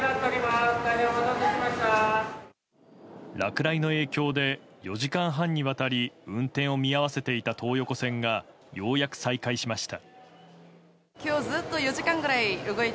落雷の影響で４時間半にわたり運転を見合わせていた東横線がようやく再開しました。